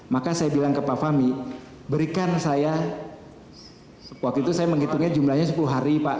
maka saya bilang ke pak fahmi berikan saya waktu itu saya menghitungnya jumlahnya sepuluh hari pak